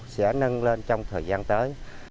sẽ nâng lên trong thời gian tới